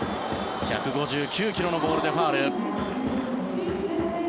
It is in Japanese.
１５９ｋｍのボールでファウル。